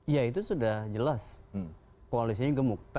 ya itu sudah jelas koalisinya gemuk